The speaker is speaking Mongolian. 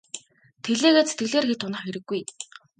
Тэглээ гээд сэтгэлээр хэт унах хэрэггүй.